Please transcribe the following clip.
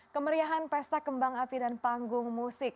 kemeriahan pesta kembang api dan panggung musik